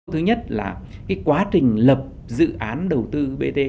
thứ nhất là cái quá trình lập dự án đầu tư bt